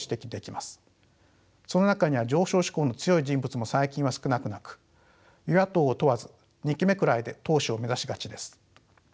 その中には上昇志向の強い人物も最近は少なくなく与野党を問わず２期目くらいで党首を目指しがちです。